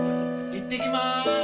行ってきまーす！